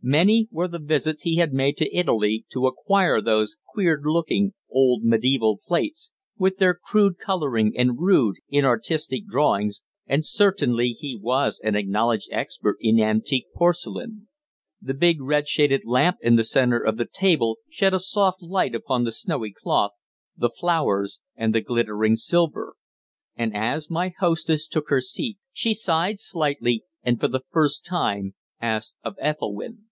Many were the visits he had made to Italy to acquire those queer looking old mediæval plates, with their crude colouring and rude, inartistic drawings, and certainly he was an acknowledged expert in antique porcelain. The big red shaded lamp in the centre of the table shed a soft light upon the snowy cloth, the flowers and the glittering silver; and as my hostess took her seat she sighed slightly, and for the first time asked of Ethelwynn.